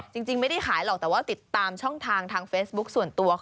จริงไม่ได้ขายหรอกแต่ว่าติดตามช่องทางทางเฟซบุ๊คส่วนตัว